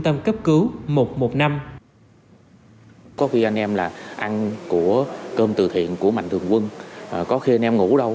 tâm cấp cứu một trăm một mươi năm có khi anh em là ăn của cơm từ thiện của mạnh thường quân có khi anh em ngủ đâu